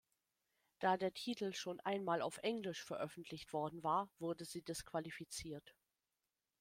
Da der Titel schon einmal auf Englisch veröffentlicht worden war, wurde sie disqualifiziert.